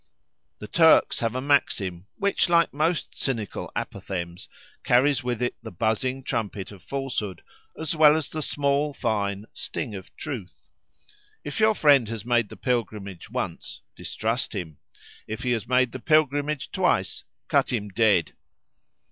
The Turks have a maxim which, like most cynical apophthegms, carries with it the buzzing trumpet of falsehood as well as the small, fine "sting of truth." "If your friend has made the pilgrimage once, distrust him; if he has made the pilgrimage twice, cut him dead!"